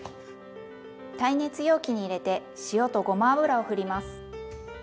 耐熱容器に入れて塩とごま油をふります。